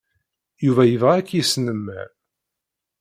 Yuba yebɣa ad k-yesnemmer.